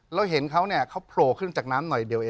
แล้วเห็นเขาโผล่ขึ้นจากน้ำหน่อยเดียว